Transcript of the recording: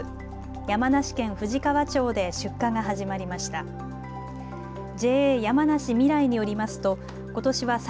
山梨県富士川町で出荷が始まりました。